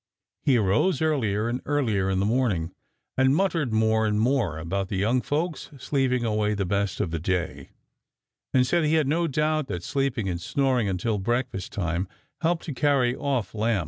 He arose earlier and earlier in the morning, and muttered more and more about the young folks sleeping away the best of the day, and said he had no doubt that sleeping and snoring until breakfast time helped to carry off Lam.